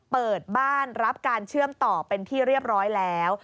เปิดบ้านรับการเชื่อมต่อเป็นที่เรียบร้อยแล้ว